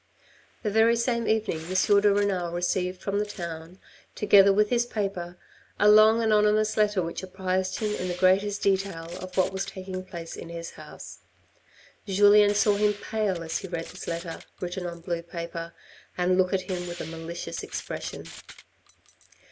The very same evening, M. de Renal received from the town, together with his paper, a long anonymous letter which apprised him in the greatest detail of what was taking place in his house. Julien saw him pale as he read this letter written on blue paper, and look at him with a malicious ex pression.